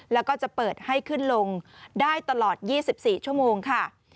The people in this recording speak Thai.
แล้วก็จะเปิดให้ขึ้นลงได้ตลอด๒๔ชั่วโมงค่ะ